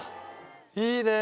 いいねえ。